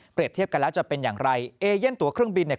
เทียบกันแล้วจะเป็นอย่างไรเอเย่นตัวเครื่องบินเนี่ย